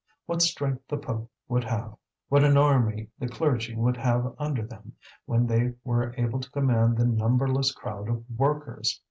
What strength the pope would have, what an army the clergy would have under them, when they were able to command the numberless crowd of workers!